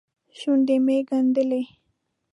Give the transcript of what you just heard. شونډې مې ګنډلې.